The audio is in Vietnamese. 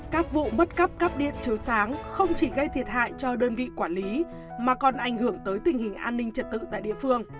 các vụ mất cắp cắp điện chiếu sáng không chỉ gây thiệt hại cho đơn vị quản lý mà còn ảnh hưởng tới tình hình an ninh trật tự tại địa phương